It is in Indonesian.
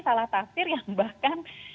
salah tafsir yang bahkan